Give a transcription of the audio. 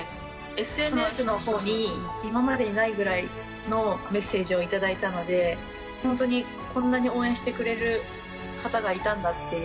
ＳＮＳのほうに今までにないぐらいのメッセージを頂いたので、本当にこんなに応援してくれる方がいたんだっていう。